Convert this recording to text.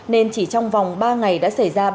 nên chỉ trong vòng ba ngày đã xảy ra